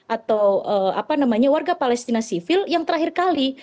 atau warga palestina sivil yang terakhir kali